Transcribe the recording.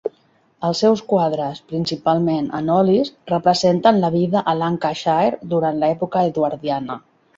Els seus quadres, principalment en olis, representen la vida a Lancashire durant l'època eduardiana.